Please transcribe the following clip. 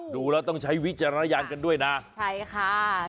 ดูแล้วต้องใช้วิจารณญาณกันด้วยนะใช่ค่ะ